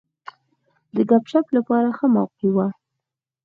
د ګپ شپ لپاره ښه موقع وه.